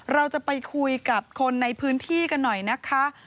เราจะไปคุยกับคนในพื้นที่กันหน่อยนะคะ